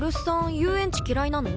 遊園地嫌いなの？